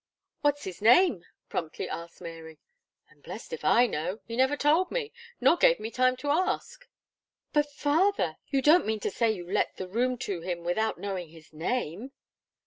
"What's his name?" promptly asked Mary. "I'm blest if I know; he never told me, nor gave me time to ask." "But, father, you don't mean to say you let the room to him, without knowing his name?"